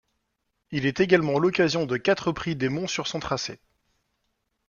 Il est également l'occasion de quatre prix des monts sur son tracé.